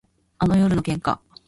あの夜の喧嘩